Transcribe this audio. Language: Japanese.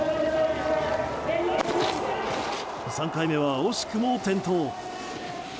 ３回目は惜しくも転倒。